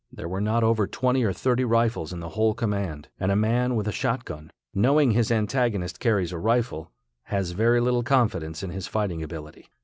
There were not over twenty or thirty rifles in the whole command, and a man with a shotgun, knowing his antagonist carries a rifle, has very little confidence in his fighting ability.